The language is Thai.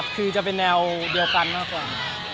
คือจะเป็นแนวเดียวกันมากกว่า